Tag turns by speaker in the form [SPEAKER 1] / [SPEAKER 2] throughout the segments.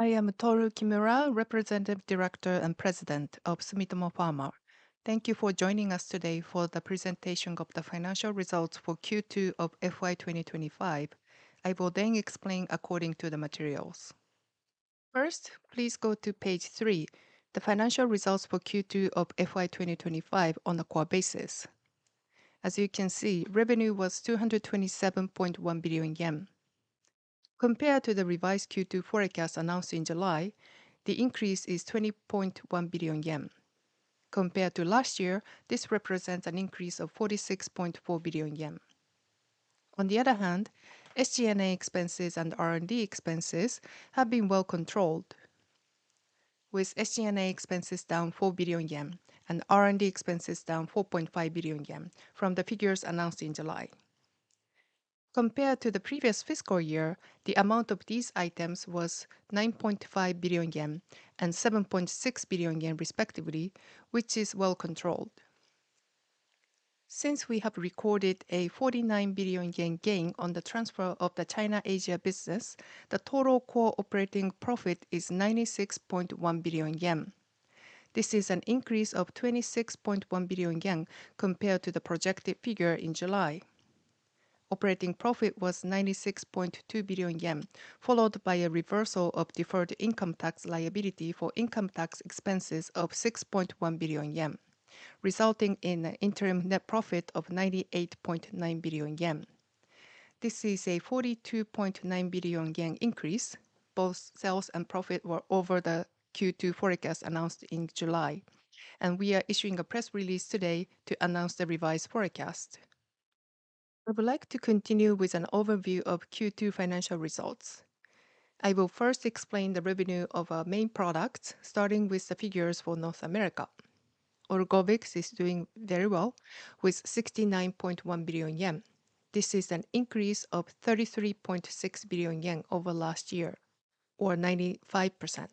[SPEAKER 1] I am Toru Kimura, Representative Director and President of Sumitomo Pharma. Thank you for joining us today for the presentation of the financial results for Q2 of FY 2025. I will then explain according to the materials. First, please go to Page 3, the financial results for Q2 of FY 2025 on a core basis. As you can see, revenue was 227.1 billion yen. Compared to the revised Q2 forecast announced in July, the increase is 20.1 billion yen. Compared to last year, this represents an increase of 46.4 billion yen. On the other hand, SG&A expenses and R&D expenses have been well controlled, with SG&A expenses down 4 billion yen and R&D expenses down 4.5 billion yen from the figures announced in July. Compared to the previous fiscal year, the amount of these items was 9.5 billion yen and 7.6 billion yen respectively, which is well controlled. Since we have recorded a 49 billion yen gain on the transfer of the China-Asia business, the total core operating profit is 96.1 billion yen. This is an increase of 26.1 billion yen compared to the projected figure in July. Operating profit was 96.2 billion yen, followed by a reversal of deferred income tax liability for income tax expenses of 6.1 billion yen, resulting in an interim net profit of 98.9 billion yen. This is a 42.9 billion yen increase. Both sales and profit were over the Q2 forecast announced in July, and we are issuing a press release today to announce the revised forecast. I would like to continue with an overview of Q2 financial results. I will first explain the revenue of our main products, starting with the figures for North America. Orgovyx is doing very well, with 69.1 billion yen. This is an increase of 33.6 billion yen over last year, or 95%.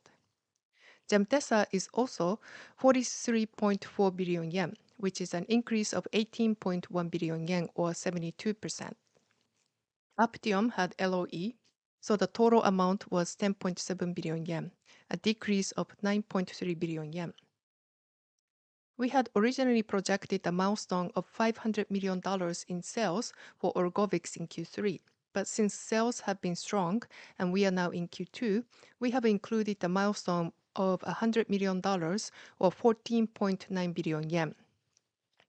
[SPEAKER 1] Gemtesa is also 43.4 billion yen, which is an increase of 18.1 billion yen, or 72%. Aptiom had LOE, so the total amount was 10.7 billion yen, a decrease of 9.3 billion yen. We had originally projected a milestone of $500 million in sales for Orgovyx in Q3, but since sales have been strong and we are now in Q2, we have included a milestone of $100 million, or 14.9 billion yen.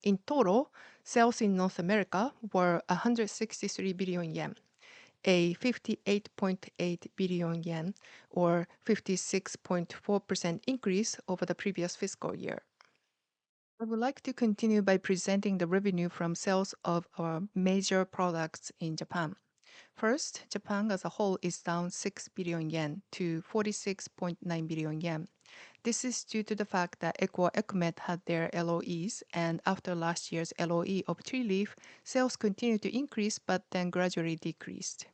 [SPEAKER 1] In total, sales in North America were 163 billion yen, a 58.8 billion yen, or 56.4% increase over the previous fiscal year. I would like to continue by presenting the revenue from sales of our major products in Japan. First, Japan as a whole is down 6 billion yen to 46.9 billion yen. This is due to the fact that Equa and EquMet had their LOEs, and after last year's LOE of Trulicity, sales continued to increase but then gradually decreased.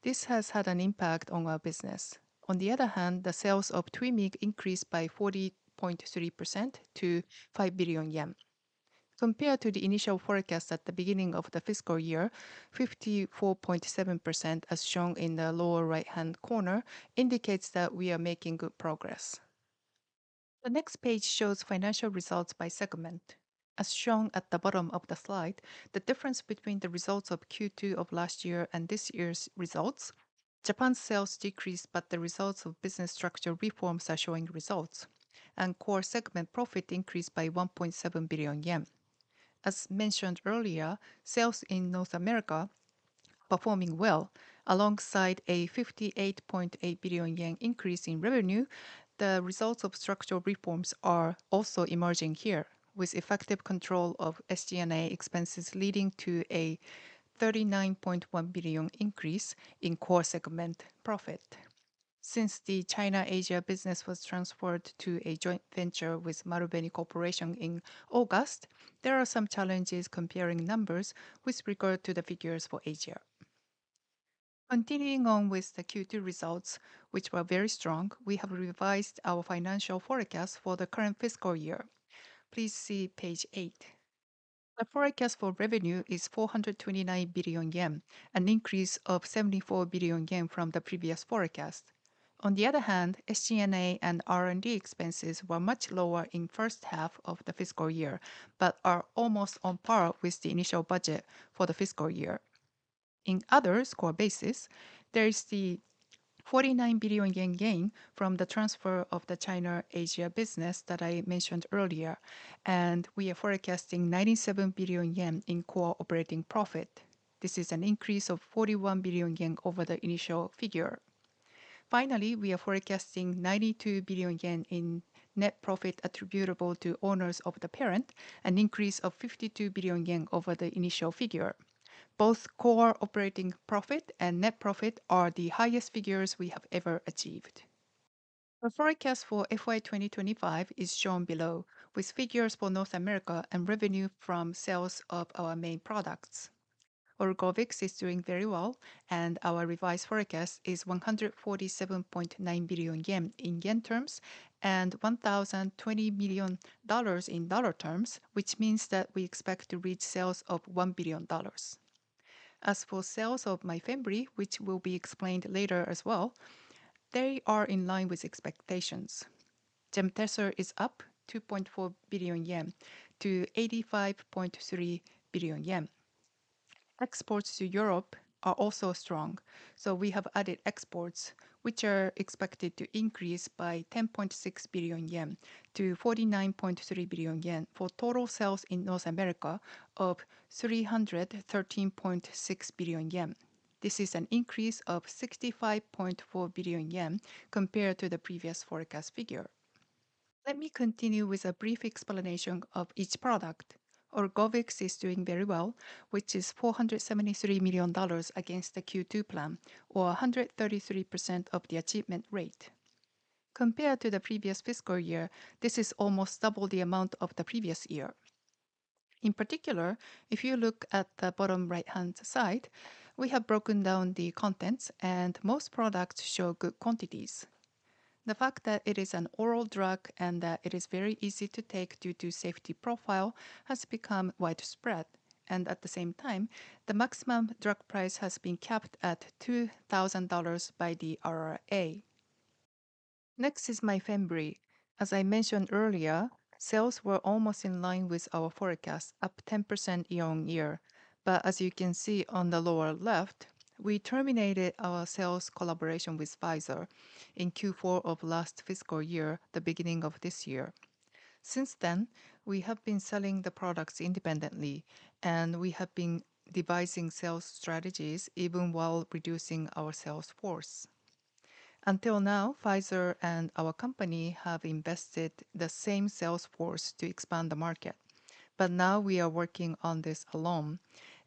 [SPEAKER 1] This has had an impact on our business. On the other hand, the sales of Twymeeg increased by 40.3% to 5 billion yen. Compared to the initial forecast at the beginning of the fiscal year, 54.7%, as shown in the lower right-hand corner, indicates that we are making good progress. The next page shows financial results by segment. As shown at the bottom of the slide, the difference between the results of Q2 of last year and this year's results, Japan's sales decreased, but the results of business structure reforms are showing results, and core segment profit increased by 1.7 billion yen. As mentioned earlier, sales in North America are performing well, alongside a 58.8 billion yen increase in revenue. The results of structural reforms are also emerging here, with effective control of SG&A expenses leading to a 39.1 billion increase in core segment profit. Since the China-Asia business was transferred to a joint venture with Marubeni Corporation in August, there are some challenges comparing numbers with regard to the figures for Asia. Continuing on with the Q2 results, which were very strong, we have revised our financial forecast for the current fiscal year. Please see Page 8. The forecast for revenue is 429 billion yen, an increase of 74 billion yen from the previous forecast. On the other hand, SG&A and R&D expenses were much lower in the first half of the fiscal year but are almost on par with the initial budget for the fiscal year. On a core basis, there is the 49 billion yen gain from the transfer of the China-Asia business that I mentioned earlier, and we are forecasting 97 billion yen in core operating profit. This is an increase of 41 billion yen over the initial figure. Finally, we are forecasting 92 billion yen in net profit attributable to owners of the parent, an increase of 52 billion yen over the initial figure. Both core operating profit and net profit are the highest figures we have ever achieved. The forecast for FY 2025 is shown below, with figures for North America and revenue from sales of our main products. Orgovyx is doing very well, and our revised forecast is 147.9 billion yen in yen terms and $1,020 million in dollar terms, which means that we expect to reach sales of $1 billion. As for sales of Myfembree, which will be explained later as well, they are in line with expectations. Gemtesa is up 2.4 billion yen to 85.3 billion yen. Exports to Europe are also strong, so we have added exports, which are expected to increase by 10.6 billion yen to 49.3 billion yen for total sales in North America of 313.6 billion yen. This is an increase of 65.4 billion yen compared to the previous forecast figure. Let me continue with a brief explanation of each product. Orgovyx is doing very well, which is $473 million against the Q2 plan, or 133% of the achievement rate. Compared to the previous fiscal year, this is almost double the amount of the previous year. In particular, if you look at the bottom right-hand side, we have broken down the contents, and most products show good quantities. The fact that it is an oral drug and that it is very easy to take due to safety profile has become widespread, and at the same time, the maximum drug price has been capped at $2,000 by the IRA. Next is Myfembree. As I mentioned earlier, sales were almost in line with our forecast, up 10% year on year, but as you can see on the lower left, we terminated our sales collaboration with Pfizer in Q4 of last fiscal year, the beginning of this year. Since then, we have been selling the products independently, and we have been devising sales strategies even while reducing our sales force. Until now, Pfizer and our company have invested the same sales force to expand the market, but now we are working on this alone,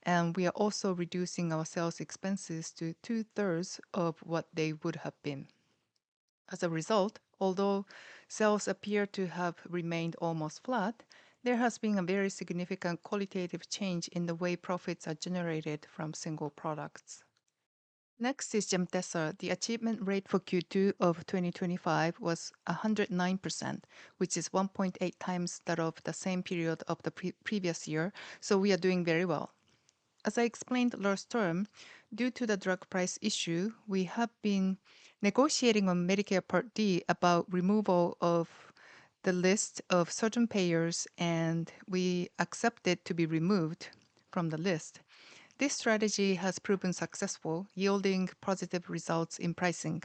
[SPEAKER 1] and we are also reducing our sales expenses to two-thirds of what they would have been. As a result, although sales appear to have remained almost flat, there has been a very significant qualitative change in the way profits are generated from single products. Next is Gemtesa. The achievement rate for Q2 of 2025 was 109%, which is 1.8 times that of the same period of the previous year, so we are doing very well. As I explained last term, due to the drug price issue, we have been negotiating on Medicare Part D about removal of the list of certain payers, and we accepted to be removed from the list. This strategy has proven successful, yielding positive results in pricing.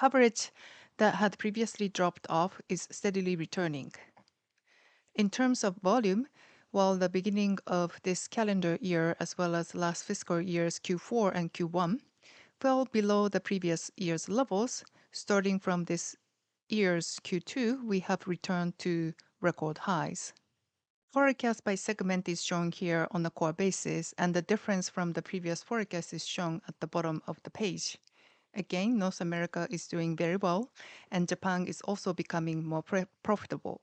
[SPEAKER 1] Coverage that had previously dropped off is steadily returning. In terms of volume, while the beginning of this calendar year, as well as last fiscal year's Q4 and Q1, fell below the previous year's levels, starting from this year's Q2, we have returned to record highs. Forecast by segment is shown here on a core basis, and the difference from the previous forecast is shown at the bottom of the page. Again, North America is doing very well, and Japan is also becoming more profitable.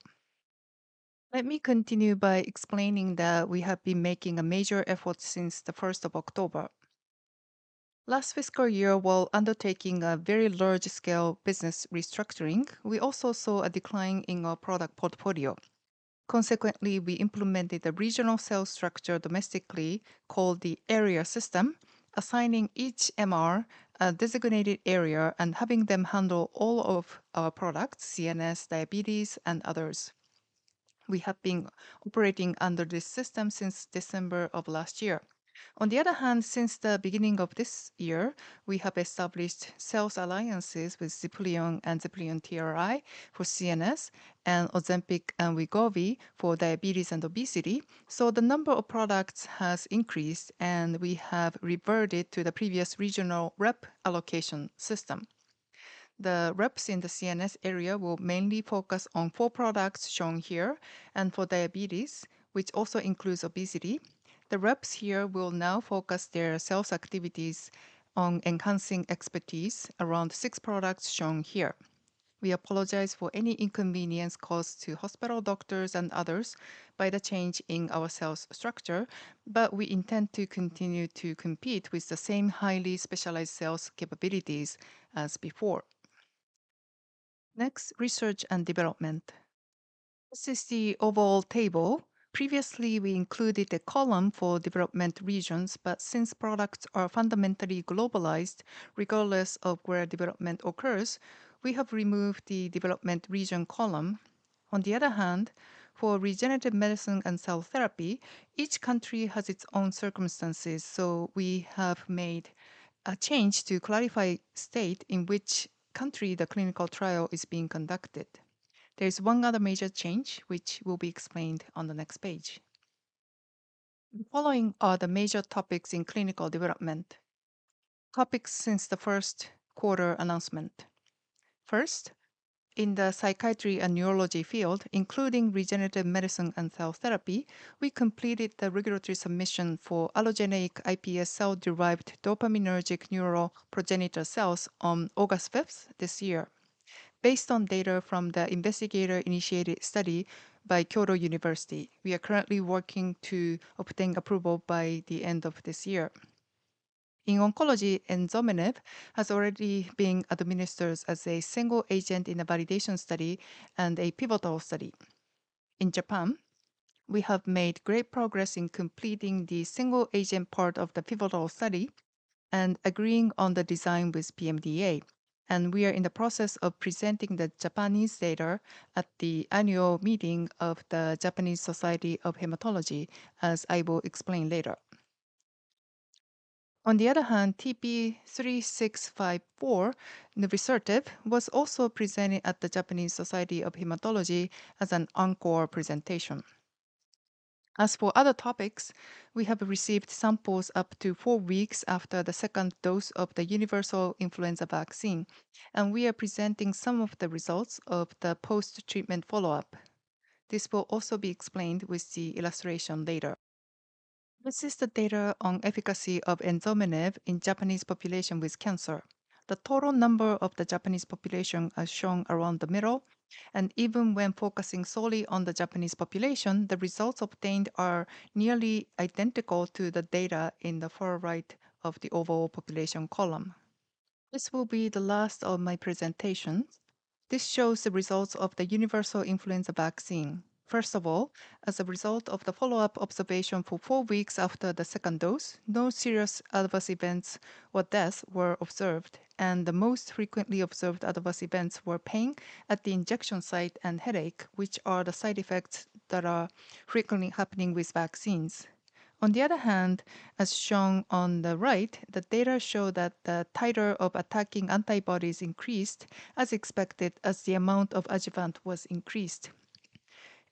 [SPEAKER 1] Let me continue by explaining that we have been making a major effort since the 1st of October. Last fiscal year, while undertaking a very large-scale business restructuring, we also saw a decline in our product portfolio. Consequently, we implemented a regional sales structure domestically called the Area system, assigning each MR a designated area and having them handle all of our products: CNS, diabetes, and others. We have been operating under this system since December of last year. On the other hand, since the beginning of this year, we have established sales alliances with Zeposia and Latuda for CNS and Ozempic and Wegovy for diabetes and obesity, so the number of products has increased, and we have reverted to the previous regional rep allocation system. The reps in the CNS area will mainly focus on four products shown here, and for diabetes, which also includes obesity, the reps here will now focus their sales activities on enhancing expertise around six products shown here. We apologize for any inconvenience caused to hospital doctors and others by the change in our sales structure, but we intend to continue to compete with the same highly specialized sales capabilities as before. Next, research and development. This is the overall table. Previously, we included a column for development regions, but since products are fundamentally globalized, regardless of where development occurs, we have removed the development region column. On the other hand, for regenerative medicine and cell therapy, each country has its own circumstances, so we have made a change to clarify the state in which country the clinical trial is being conducted. There is one other major change, which will be explained on the next page. The following are the major topics in clinical development, topics since the first quarter announcement. First, in the psychiatry and neurology field, including regenerative medicine and cell therapy, we completed the regulatory submission for allogeneic iPS cell-derived dopaminergic neural progenitor cells on August 5th this year. Based on data from the investigator-initiated study by Kyoto University, we are currently working to obtain approval by the end of this year. In oncology, DSP-5336 has already been administered as a single agent in a validation study and a pivotal study. In Japan, we have made great progress in completing the single agent part of the pivotal study and agreeing on the design with PMDA, and we are in the process of presenting the Japanese data at the annual meeting of the Japanese Society of Hematology, as I will explain later. On the other hand, TP-3654 was also presented at the Japanese Society of Hematology as an encore presentation. As for other topics, we have received samples up to four weeks after the second dose of the universal influenza vaccine, and we are presenting some of the results of the post-treatment follow-up. This will also be explained with the illustration later. This is the data on efficacy of DSP-5336 in Japanese population with cancer. The total number of the Japanese population is shown around the middle, and even when focusing solely on the Japanese population, the results obtained are nearly identical to the data in the far right of the overall population column. This will be the last of my presentations. This shows the results of the Universal Influenza Vaccine. First of all, as a result of the follow-up observation for four weeks after the second dose, no serious adverse events or deaths were observed, and the most frequently observed adverse events were pain at the injection site and headache, which are the side effects that are frequently happening with vaccines. On the other hand, as shown on the right, the data show that the titer of attacking antibodies increased, as expected, as the amount of adjuvant was increased.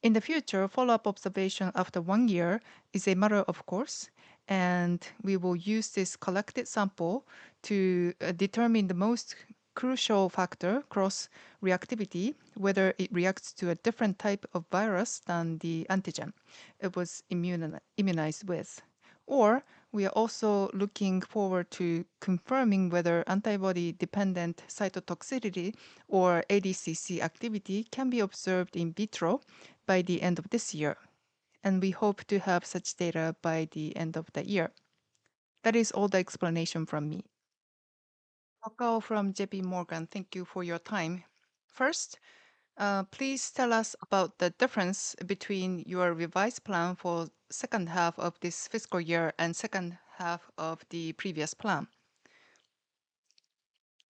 [SPEAKER 1] In the future, follow-up observation after one year is a matter of course, and we will use this collected sample to determine the most crucial factor, cross-reactivity, whether it reacts to a different type of virus than the antigen it was immunized with, or we are also looking forward to confirming whether antibody-dependent cytotoxicity or ADCC activity can be observed in vitro by the end of this year, and we hope to have such data by the end of the year. That is all the explanation from me. I'll go from J.P. Morgan. Thank you for your time. First, please tell us about the difference between your revised plan for the second half of this fiscal year and the second half of the previous plan.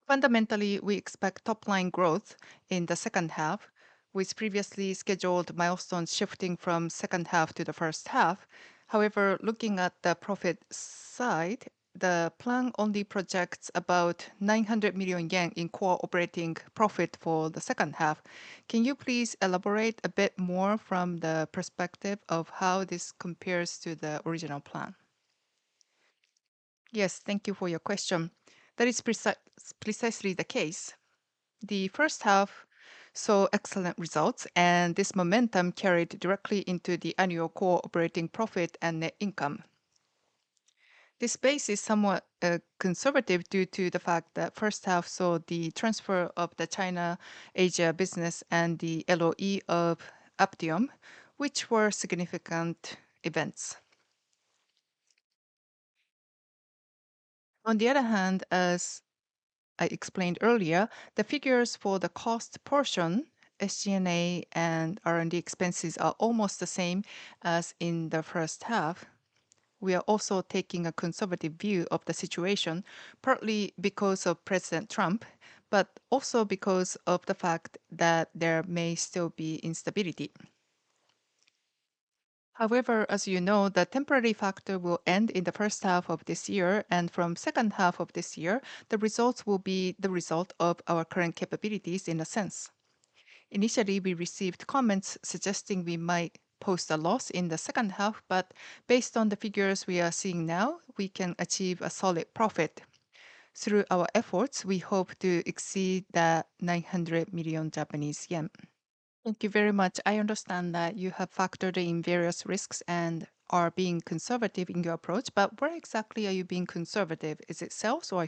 [SPEAKER 1] Fundamentally, we expect top-line growth in the second half, with previously scheduled milestones shifting from the second half to the first half. However, looking at the profit side, the plan only projects about 900 million yen in core operating profit for the second half. Can you please elaborate a bit more from the perspective of how this compares to the original plan? Yes, thank you for your question. That is precisely the case. The first half saw excellent results, and this momentum carried directly into the annual core operating profit and net income. This base is somewhat conservative due to the fact that the first half saw the transfer of the China-Asia business and the LOE of Aptiom, which were significant events. On the other hand, as I explained earlier, the figures for the cost portion, SG&A and R&D expenses, are almost the same as in the first half. We are also taking a conservative view of the situation, partly because of President Trump, but also because of the fact that there may still be instability. However, as you know, the temporary factor will end in the first half of this year, and from the second half of this year, the results will be the result of our current capabilities in a sense. Initially, we received comments suggesting we might post a loss in the second half, but based on the figures we are seeing now, we can achieve a solid profit. Through our efforts, we hope to exceed 900 million Japanese yen. Thank you very much. I understand that you have factored in various risks and are being conservative in your approach, but where exactly are you being conservative? Is it sales or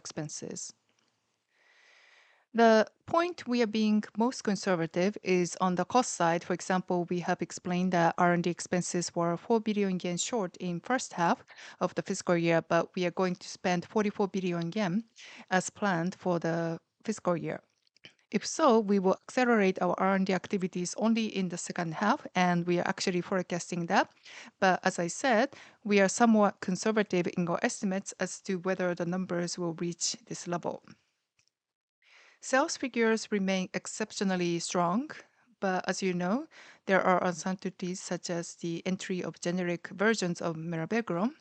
[SPEAKER 1] expenses? The point we are being most conservative is on the cost side. For example, we have explained that R&D expenses were 4 billion yen short in the first half of the fiscal year, but we are going to spend 44 billion yen as planned for the fiscal year. If so, we will accelerate our R&D activities only in the second half, and we are actually forecasting that. But as I said, we are somewhat conservative in our estimates as to whether the numbers will reach this level. Sales figures remain exceptionally strong, but as you know, there are uncertainties such as the entry of generic versions of mirabegron.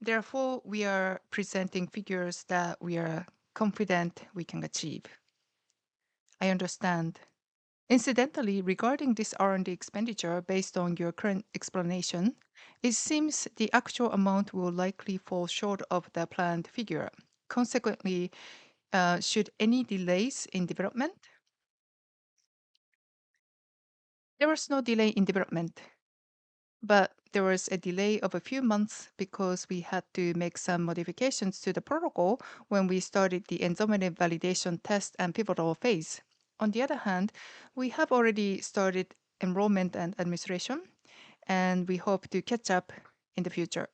[SPEAKER 1] Therefore, we are presenting figures that we are confident we can achieve. I understand. Incidentally, regarding this R&D expenditure, based on your current explanation, it seems the actual amount will likely fall short of the planned figure. Consequently, should any delays in development? There was no delay in development, but there was a delay of a few months because we had to make some modifications to the protocol when we started the DSP-5336 validation test and pivotal phase. On the other hand, we have already started enrollment and administration, and we hope to catch up in the future.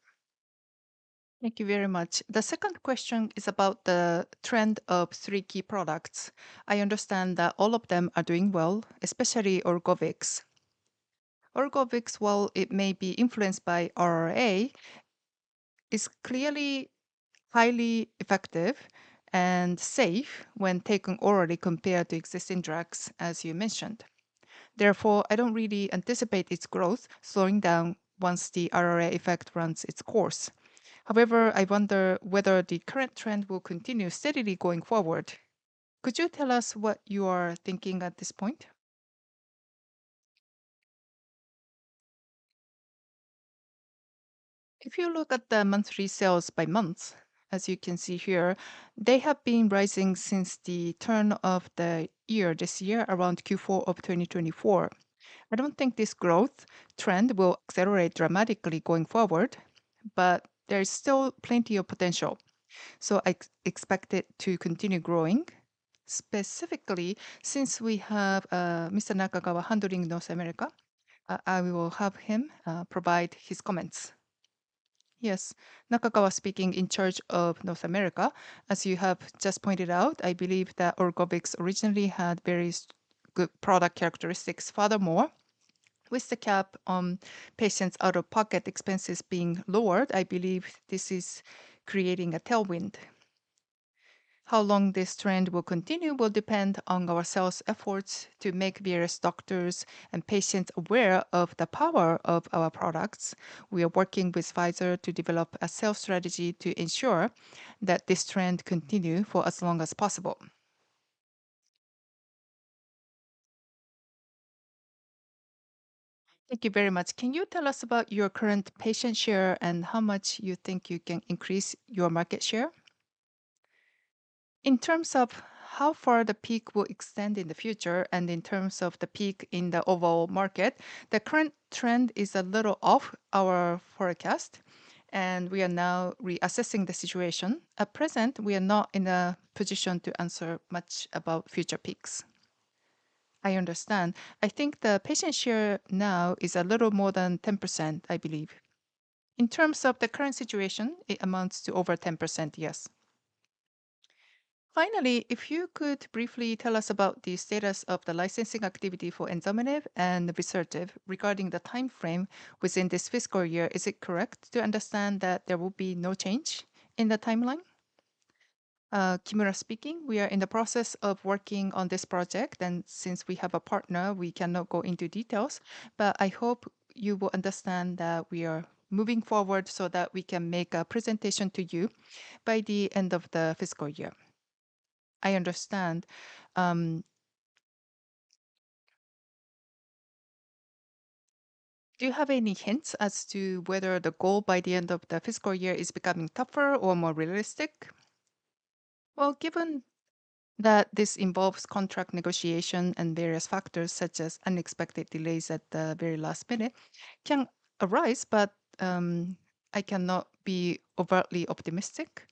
[SPEAKER 1] Thank you very much. The second question is about the trend of three key products. I understand that all of them are doing well, especially Orgovyx. Orgovyx, while it may be influenced by IRA, is clearly highly effective and safe when taken orally compared to existing drugs, as you mentioned. Therefore, I don't really anticipate its growth slowing down once the IRA effect runs its course. However, I wonder whether the current trend will continue steadily going forward. Could you tell us what you are thinking at this point? If you look at the monthly sales by month, as you can see here, they have been rising since the turn of the year this year, around Q4 of 2024. I don't think this growth trend will accelerate dramatically going forward, but there is still plenty of potential, so I expect it to continue growing. Specifically, since we have Mr. Nakagawa handling North America, I will have him provide his comments.
[SPEAKER 2] Yes, Nakagawa speaking, in charge of North America. As you have just pointed out, I believe that Orgovyx originally had very good product characteristics. Furthermore, with the cap on patients' out-of-pocket expenses being lowered, I believe this is creating a tailwind. How long this trend will continue will depend on our sales efforts to make various doctors and patients aware of the power of our products. We are working with Pfizer to develop a sales strategy to ensure that this trend continues for as long as possible. Thank you very much. Can you tell us about your current patient share and how much you think you can increase your market share? In terms of how far the peak will extend in the future and in terms of the peak in the overall market, the current trend is a little off our forecast, and we are now reassessing the situation. At present, we are not in a position to answer much about future peaks. I understand. I think the patient share now is a little more than 10%, I believe. In terms of the current situation, it amounts to over 10%, yes. Finally, if you could briefly tell us about the status of the licensing activity for DSP-5336 and TP-3654 regarding the timeframe within this fiscal year, is it correct to understand that there will be no change in the timeline?
[SPEAKER 1] Kimura speaking, we are in the process of working on this project, and since we have a partner, we cannot go into details, but I hope you will understand that we are moving forward so that we can make a presentation to you by the end of the fiscal year. I understand. Do you have any hints as to whether the goal by the end of the fiscal year is becoming tougher or more realistic? Given that this involves contract negotiation and various factors such as unexpected delays at the very last minute can arise, but I cannot be overtly optimistic.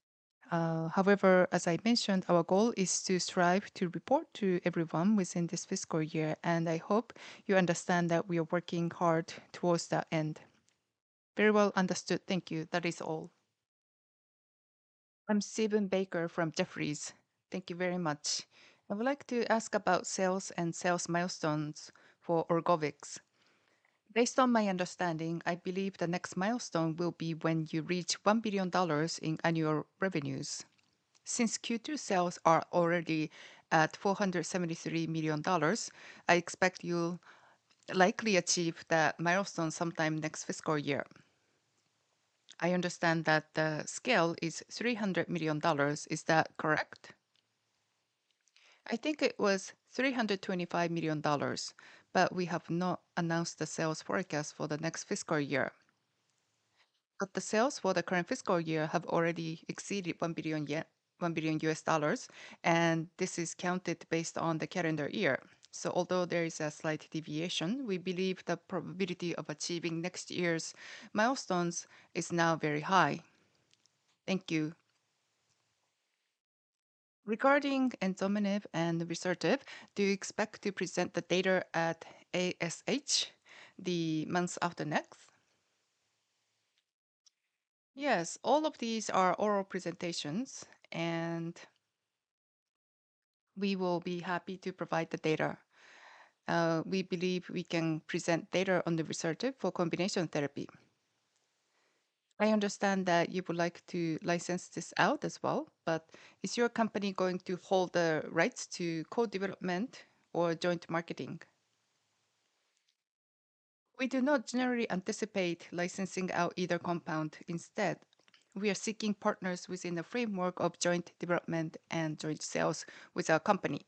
[SPEAKER 1] However, as I mentioned, our goal is to strive to report to everyone within this fiscal year, and I hope you understand that we are working hard towards that end. Very well understood. Thank you. That is all.
[SPEAKER 3] I'm Stephen Barker from Jefferies. Thank you very much. I would like to ask about sales and sales milestones for Orgovyx. Based on my understanding, I believe the next milestone will be when you reach $1 billion in annual revenues. Since Q2 sales are already at $473 million, I expect you'll likely achieve that milestone sometime next fiscal year. I understand that the scale is $300 million. Is that correct?
[SPEAKER 1] I think it was $325 million, but we have not announced the sales forecast for the next fiscal year. The sales for the current fiscal year have already exceeded $1 billion, and this is counted based on the calendar year. So although there is a slight deviation, we believe the probability of achieving next year's milestones is now very high. Thank you.
[SPEAKER 3] Regarding DSP-5336 and TP-3654, do you expect to present the data at ASH the month after next?
[SPEAKER 1] Yes, all of these are oral presentations, and we will be happy to provide the data. We believe we can present data on TP-3654 for combination therapy.
[SPEAKER 3] I understand that you would like to license this out as well, but is your company going to hold the rights to co-development or joint marketing?
[SPEAKER 1] We do not generally anticipate licensing out either compound. Instead, we are seeking partners within the framework of joint development and joint sales with our company.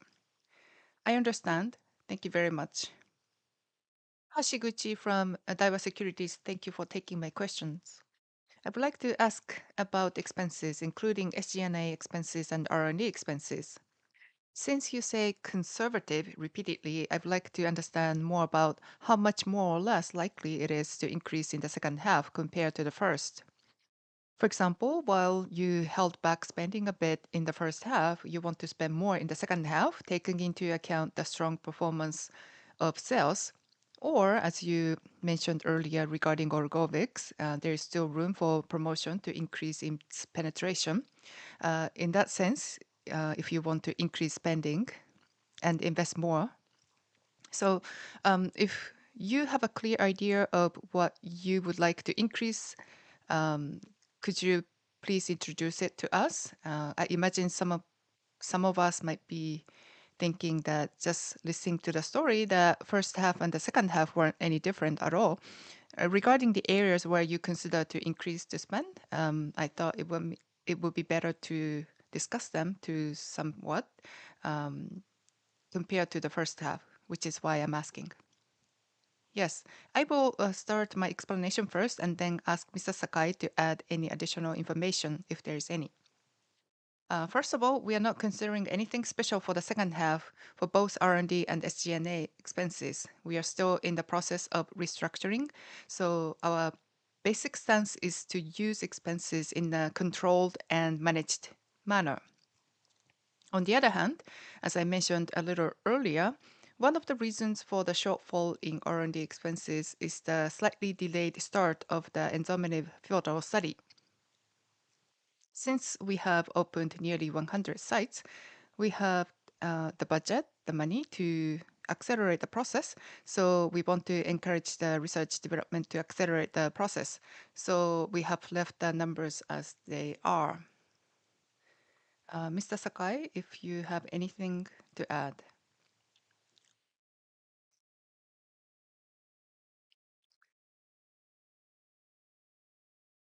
[SPEAKER 3] I understand. Thank you very much.
[SPEAKER 4] Hashiguchi from Daiwa Securities, thank you for taking my questions. I would like to ask about expenses, including SG&A expenses and R&D expenses. Since you say conservative repeatedly, I would like to understand more about how much more or less likely it is to increase in the second half compared to the first. For example, while you held back spending a bit in the first half, you want to spend more in the second half, taking into account the strong performance of sales. Or, as you mentioned earlier regarding ORGOVYX, there is still room for promotion to increase its penetration. In that sense, if you want to increase spending and invest more. So if you have a clear idea of what you would like to increase, could you please introduce it to us? I imagine some of us might be thinking that just listening to the story, the first half and the second half weren't any different at all. Regarding the areas where you consider to increase the spend, I thought it would be better to discuss them somewhat compared to the first half, which is why I'm asking.
[SPEAKER 1] Yes, I will start my explanation first and then ask Mr. Sakai to add any additional information if there is any. First of all, we are not considering anything special for the second half for both R&D and SG&A expenses. We are still in the process of restructuring, so our basic stance is to use expenses in a controlled and managed manner. On the other hand, as I mentioned a little earlier, one of the reasons for the shortfall in R&D expenses is the slightly delayed start of the DSP-5336 pivotal study. Since we have opened nearly 100 sites, we have the budget, the money to accelerate the process, so we want to encourage the research development to accelerate the process. So we have left the numbers as they are. Mr. Sakai, if you have anything to add.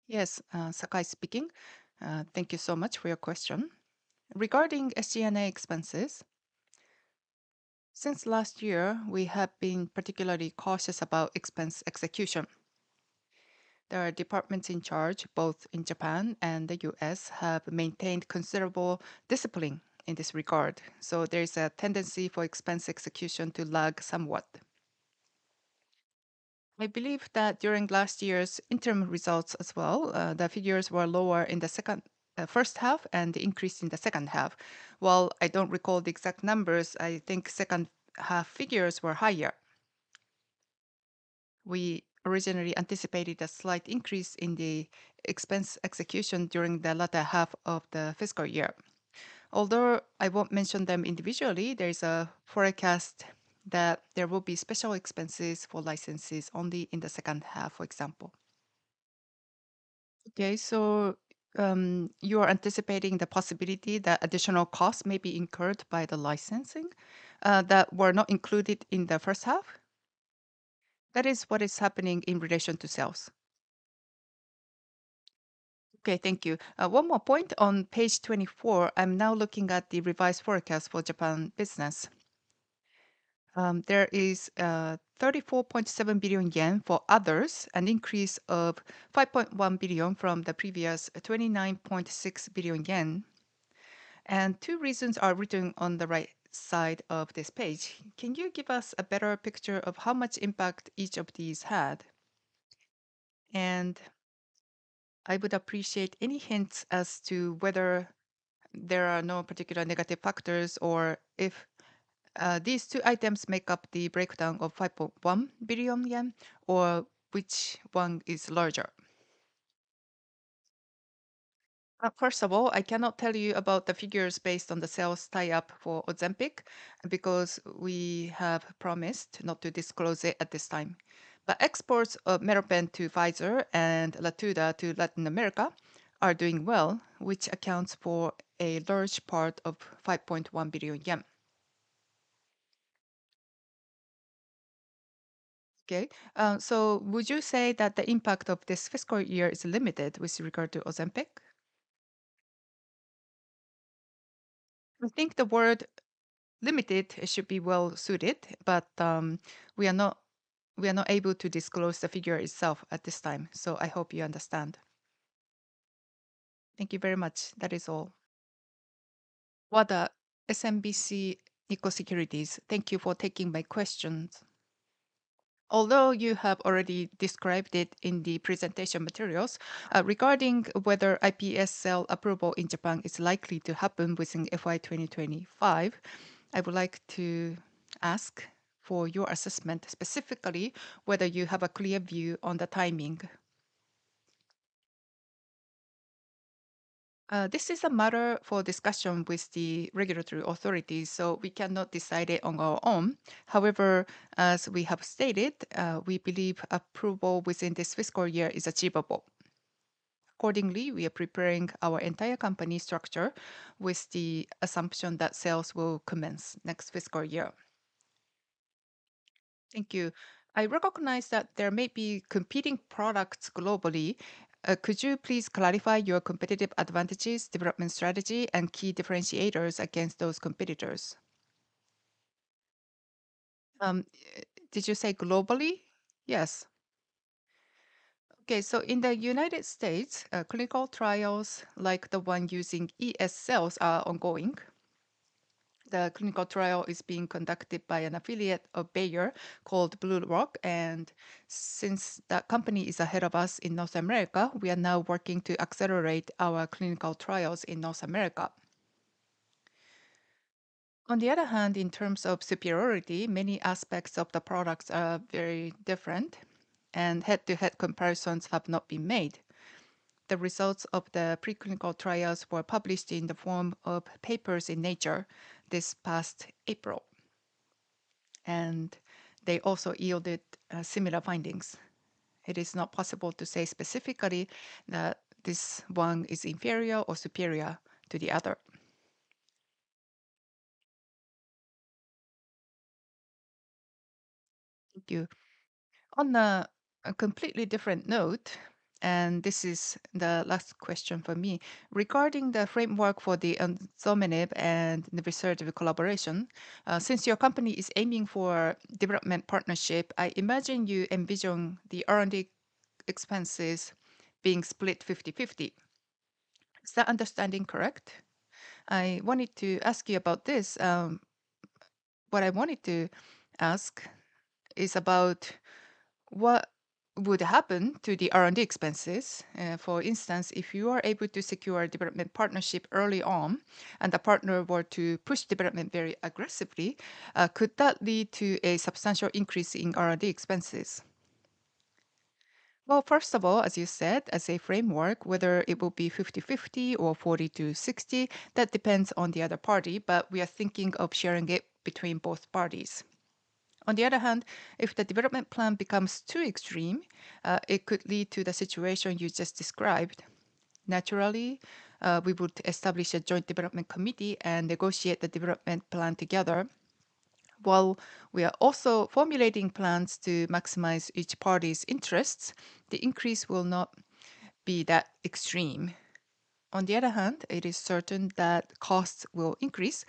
[SPEAKER 5] Yes, Sakai speaking. Thank you so much for your question. Regarding SG&A expenses, since last year, we have been particularly cautious about expense execution. There are departments in charge, both in Japan and the U.S., who have maintained considerable discipline in this regard. So there is a tendency for expense execution to lag somewhat. I believe that during last year's interim results as well, the figures were lower in the first half and increased in the second half. While I don't recall the exact numbers, I think second-half figures were higher. We originally anticipated a slight increase in the expense execution during the latter half of the fiscal year. Although I won't mention them individually, there is a forecast that there will be special expenses for licenses only in the second half, for example.
[SPEAKER 4] Okay, so you are anticipating the possibility that additional costs may be incurred by the licensing that were not included in the first half?
[SPEAKER 5] That is what is happening in relation to sales.
[SPEAKER 4] Okay, thank you. One more point. On page 24, I'm now looking at the revised forecast for Japan business. There is 34.7 billion yen for others, an increase of 5.1 billion from the previous 29.6 billion yen. Two reasons are written on the right side of this page. Can you give us a better picture of how much impact each of these had? I would appreciate any hints as to whether there are no particular negative factors or if these two items make up the breakdown of 5.1 billion yen or which one is larger.
[SPEAKER 5] First of all, I cannot tell you about the figures based on the sales tie-up for Ozempic because we have promised not to disclose it at this time. Exports of Meropen to Pfizer and Latuda to Latin America are doing well, which accounts for a large part of 5.1 billion yen.
[SPEAKER 4] Okay, so would you say that the impact of this fiscal year is limited with regard to Ozempic?
[SPEAKER 5] I think the word limited should be well suited, but we are not able to disclose the figure itself at this time, so I hope you understand.
[SPEAKER 4] Thank you very much. That is all. [Wakao] SMBC Nikko Securities, thank you for taking my questions. Although you have already described it in the presentation materials, regarding whether iPS cell approval in Japan is likely to happen within FY 2025, I would like to ask for your assessment, specifically whether you have a clear view on the timing.
[SPEAKER 5] This is a matter for discussion with the regulatory authorities, so we cannot decide it on our own. However, as we have stated, we believe approval within this fiscal year is achievable. Accordingly, we are preparing our entire company structure with the assumption that sales will commence next fiscal year. Thank you. I recognize that there may be competing products globally. Could you please clarify your competitive advantages, development strategy, and key differentiators against those competitors? Did you say globally? Yes. Okay, so in the United States, clinical trials like the one using ES cells are ongoing. The clinical trial is being conducted by an affiliate of Bayer called BlueRock, and since that company is ahead of us in North America, we are now working to accelerate our clinical trials in North America. On the other hand, in terms of superiority, many aspects of the products are very different, and head-to-head comparisons have not been made. The results of the pre-clinical trials were published in the form of papers in Nature this past April, and they also yielded similar findings. It is not possible to say specifically that this one is inferior or superior to the other. Thank you. On a completely different note, and this is the last question for me, regarding the framework for the DSP-5336 and TP-3654 collaboration, since your company is aiming for development partnership, I imagine you envision the R&D expenses being split 50/50. Is that understanding correct? I wanted to ask you about this. What I wanted to ask is about what would happen to the R&D expenses. For instance, if you are able to secure a development partnership early on and the partner were to push development very aggressively, could that lead to a substantial increase in R&D expenses? Well, first of all, as you said, as a framework, whether it will be 50/50 or 40/60, that depends on the other party, but we are thinking of sharing it between both parties. On the other hand, if the development plan becomes too extreme, it could lead to the situation you just described. Naturally, we would establish a joint development committee and negotiate the development plan together. While we are also formulating plans to maximize each party's interests, the increase will not be that extreme. On the other hand, it is certain that costs will increase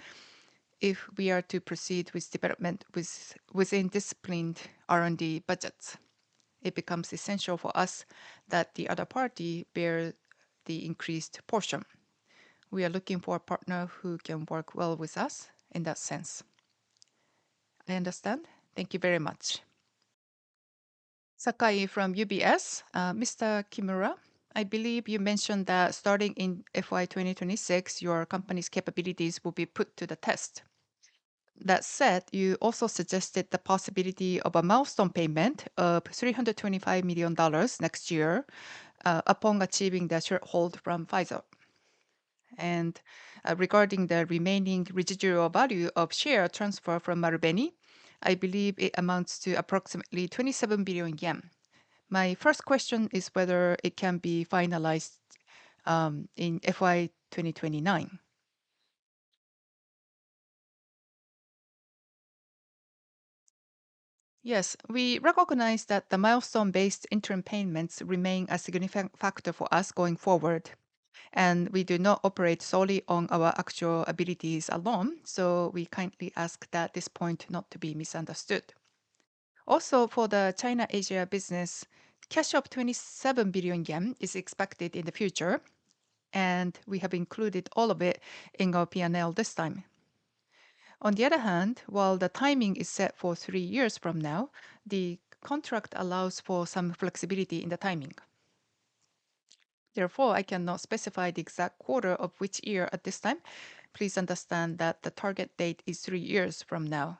[SPEAKER 5] if we are to proceed with development within disciplined R&D budgets. It becomes essential for us that the other party bears the increased portion. We are looking for a partner who can work well with us in that sense. I understand. Thank you very much.
[SPEAKER 6] Sakai from UBS. Mr. Kimura, I believe you mentioned that starting in FY 2026, your company's capabilities will be put to the test. That said, you also suggested the possibility of a milestone payment of $325 million next year upon achieving the shortfall from Pfizer. Regarding the remaining residual value of share transfer from Marubeni, I believe it amounts to approximately 27 billion yen. My first question is whether it can be finalized in FY 2029.
[SPEAKER 1] Yes, we recognize that the milestone-based interim payments remain a significant factor for us going forward, and we do not operate solely on our actual abilities alone, so we kindly ask that this point not to be misunderstood. Also, for the China-Asia business, cash of 27 billion yen is expected in the future, and we have included all of it in our P&L this time. On the other hand, while the timing is set for three years from now, the contract allows for some flexibility in the timing. Therefore, I cannot specify the exact quarter of which year at this time. Please understand that the target date is three years from now.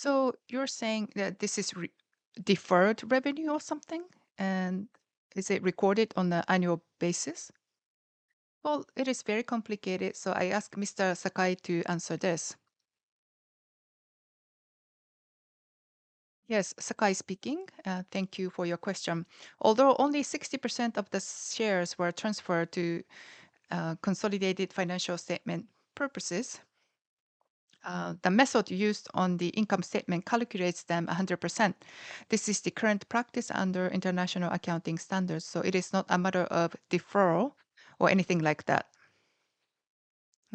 [SPEAKER 6] So you're saying that this is deferred revenue or something, and is it recorded on an annual basis?
[SPEAKER 1] Well, it is very complicated, so I ask Mr. Sakai to answer this.
[SPEAKER 5] Yes, Sakai speaking. Thank you for your question. Although only 60% of the shares were transferred to consolidated financial statement purposes, the method used on the income statement calculates them 100%. This is the current practice under international accounting standards, so it is not a matter of deferral or anything like that.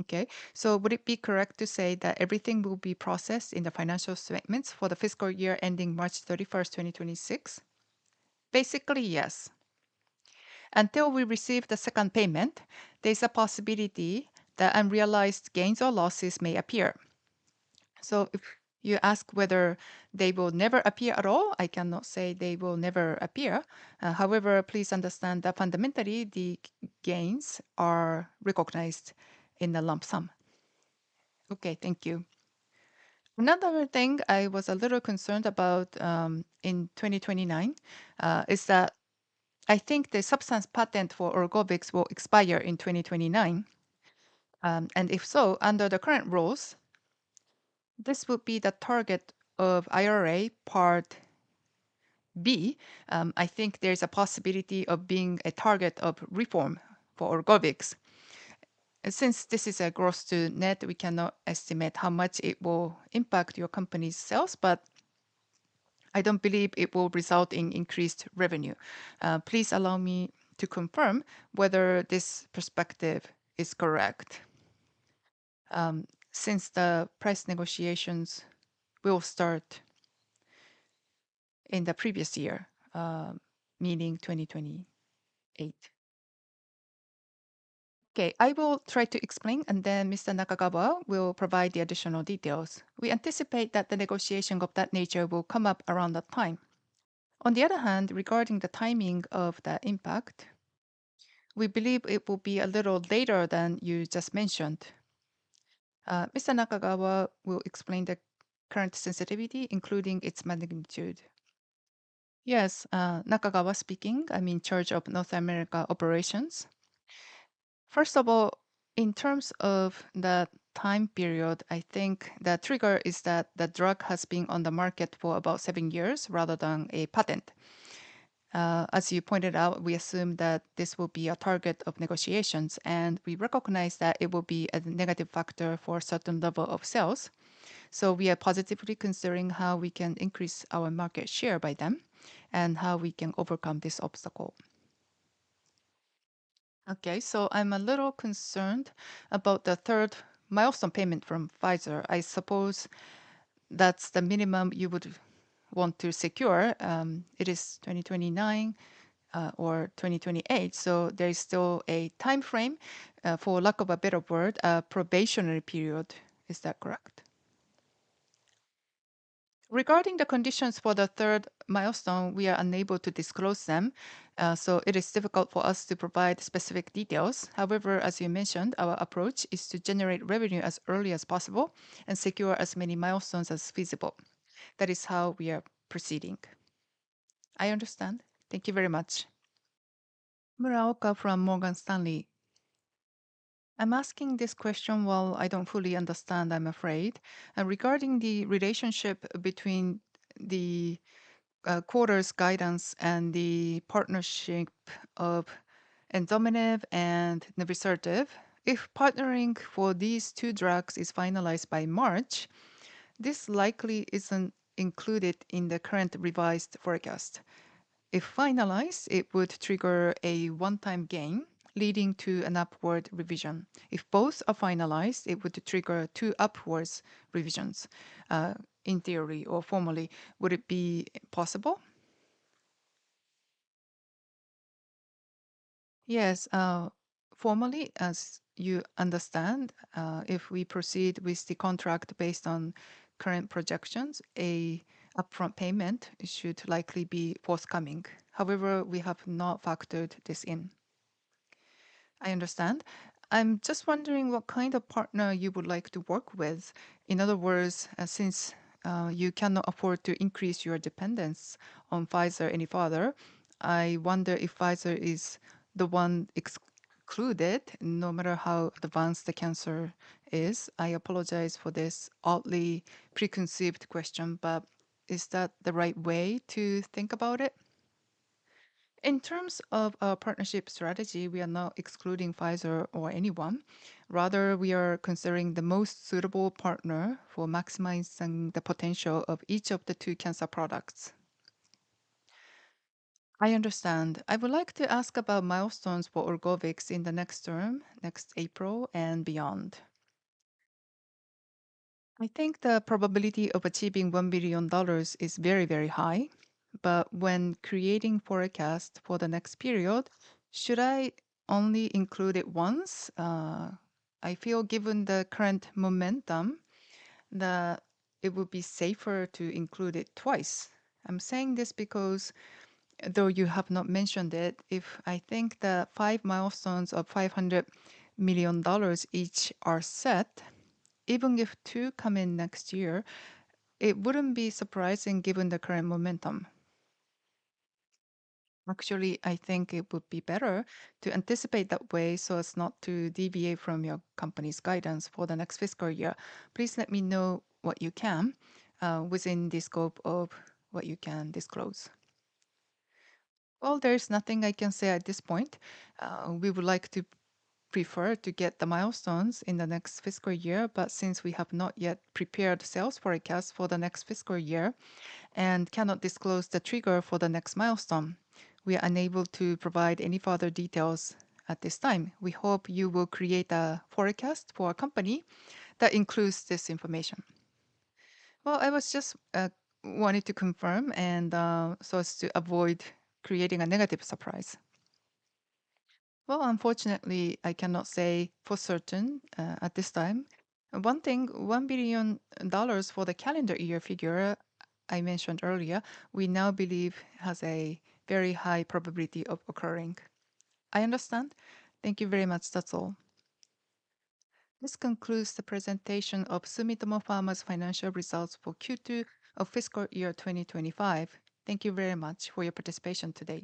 [SPEAKER 6] Okay, so would it be correct to say that everything will be processed in the financial statements for the fiscal year ending March 31st, 2026?
[SPEAKER 5] Basically, yes. Until we receive the second payment, there is a possibility that unrealized gains or losses may appear. So if you ask whether they will never appear at all, I cannot say they will never appear. However, please understand that fundamentally, the gains are recognized in the lump sum.
[SPEAKER 6] Okay, thank you. Another thing I was a little concerned about in 2029 is that I think the substance patent for Orgovyx will expire in 2029. And if so, under the current rules, this would be the target of IRA Part B. I think there is a possibility of being a target of reform for Orgovyx. Since this is a gross-to-net, we cannot estimate how much it will impact your company's sales, but I don't believe it will result in increased revenue. Please allow me to confirm whether this perspective is correct, since the price negotiations will start in the previous year, meaning 2028.
[SPEAKER 5] Okay, I will try to explain, and then Mr. Nakagawa will provide the additional details. We anticipate that the negotiation of that nature will come up around that time. On the other hand, regarding the timing of the impact, we believe it will be a little later than you just mentioned. Mr. Nakagawa will explain the current sensitivity, including its magnitude.
[SPEAKER 2] Yes, Nakagawa speaking. I'm in charge of North America operations. First of all, in terms of the time period, I think the trigger is that the drug has been on the market for about seven years rather than a patent. As you pointed out, we assume that this will be a target of negotiations, and we recognize that it will be a negative factor for a certain level of sales. So we are positively considering how we can increase our market share by them and how we can overcome this obstacle.
[SPEAKER 6] Okay, so I'm a little concerned about the third milestone payment from Pfizer. I suppose that's the minimum you would want to secure. It is 2029 or 2028, so there is still a time frame, for lack of a better word, a probationary period. Is that correct?
[SPEAKER 2] Regarding the conditions for the third milestone, we are unable to disclose them, so it is difficult for us to provide specific details. However, as you mentioned, our approach is to generate revenue as early as possible and secure as many milestones as feasible. That is how we are proceeding.
[SPEAKER 6] I understand. Thank you very much.
[SPEAKER 7] Muraoka from Morgan Stanley. I'm asking this question while I don't fully understand, I'm afraid. Regarding the relationship between the quarter's guidance and the partnership of DSP-5336 and TP-3654, if partnering for these two drugs is finalized by March, this likely isn't included in the current revised forecast. If finalized, it would trigger a one-time gain leading to an upward revision. If both are finalized, it would trigger two upwards revisions, in theory or formally. Would it be possible?
[SPEAKER 1] Yes, formally, as you understand, if we proceed with the contract based on current projections, an upfront payment should likely be forthcoming. However, we have not factored this in.
[SPEAKER 7] I understand. I'm just wondering what kind of partner you would like to work with. In other words, since you cannot afford to increase your dependence on Pfizer any further, I wonder if Pfizer is the one excluded, no matter how advanced the cancer is. I apologize for this oddly preconceived question, but is that the right way to think about it?
[SPEAKER 1] In terms of our partnership strategy, we are not excluding Pfizer or anyone. Rather, we are considering the most suitable partner for maximizing the potential of each of the two cancer products.
[SPEAKER 7] I understand. I would like to ask about milestones for Orgovyx in the next term, next April and beyond.I think the probability of achieving $1 billion is very, very high, but when creating forecasts for the next period, should I only include it once? I feel, given the current momentum, that it would be safer to include it twice. I'm saying this because, though you have not mentioned it, if I think the five milestones of $500 million each are set, even if two come in next year, it wouldn't be surprising given the current momentum. Actually, I think it would be better to anticipate that way so as not to deviate from your company's guidance for the next fiscal year. Please let me know what you can within the scope of what you can disclose.
[SPEAKER 1] Well, there's nothing I can say at this point. We would like to prefer to get the milestones in the next fiscal year, but since we have not yet prepared sales forecasts for the next fiscal year and cannot disclose the trigger for the next milestone, we are unable to provide any further details at this time. We hope you will create a forecast for our company that includes this information.
[SPEAKER 7] I was just wanting to confirm and so as to avoid creating a negative surprise.
[SPEAKER 1] Unfortunately, I cannot say for certain at this time. One thing, $1 billion for the calendar year figure I mentioned earlier, we now believe has a very high probability of occurring.
[SPEAKER 7] I understand. Thank you very much. That's all.
[SPEAKER 1] This concludes the presentation of Sumitomo Pharma's financial results for Q2 of fiscal year 2025. Thank you very much for your participation today.